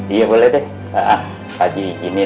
iya boleh deh pak haji ingin ya